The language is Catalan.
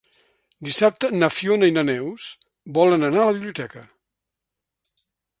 Dissabte na Fiona i na Neus volen anar a la biblioteca.